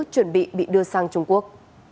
chuẩn bị bị đưa sang trung quốc